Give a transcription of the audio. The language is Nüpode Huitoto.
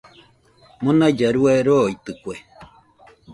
Monailla rua roitɨkue